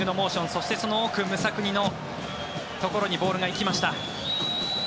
そしてその奥ムサクニのところにボールが行きました。